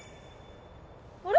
あれ？